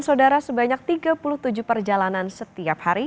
saudara sebanyak tiga puluh tujuh perjalanan setiap hari